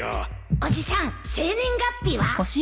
おじさん生年月日は？